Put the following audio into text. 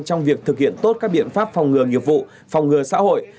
trong việc thực hiện tốt các biện pháp phòng ngừa nghiệp vụ phòng ngừa xã hội